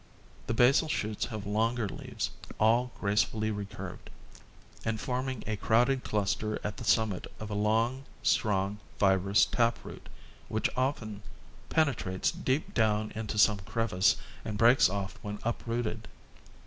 The basal shoots have longer leaves, all gracefully recurved, and forming a crowded cluster at the summit of a long strong fibrous tap root, which often penetrates deep down into some crevice and breaks off when uprooted.